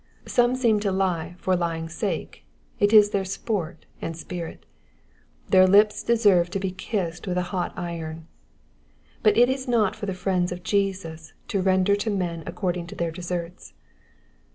Some seem to lie for lying sake, it is their sport and spirit : their lips deserve to be kissed with a hot iron ; but it is not for the friends of Jesus to render to men according to their deserts.